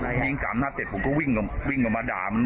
ยิง๓หน้าเต็ดผมก็วิ่งกลับมาด่ามัน